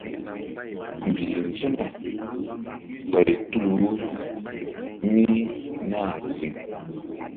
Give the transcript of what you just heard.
Mbih nzona ɓay tul wo mí nah ziŋ.